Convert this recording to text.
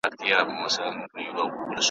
ناروا ورته عادي سم غم یې نه خوري `